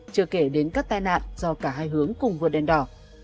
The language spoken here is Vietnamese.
chưa kể đến các tai nạn do cả hai hướng cùng vượt đèn đỏ